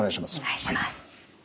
お願いします。